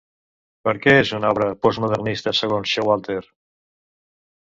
Per què és una obra postmodernista, segons Showalter?